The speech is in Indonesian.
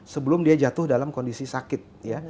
sebelum dia jatuh dalam kondisi sakit